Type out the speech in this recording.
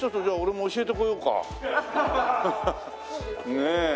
ねえ。